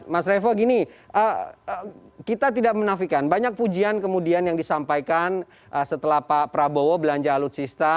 mas revo gini kita tidak menafikan banyak pujian yang disampaikan setelah pak prabowo belanja alutsista